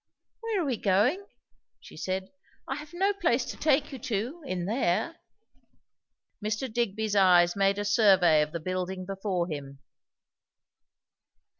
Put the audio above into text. "Where are we going?" she said. "I have no place to take you to, in there." Mr. Digby's eyes made a survey of the building before him.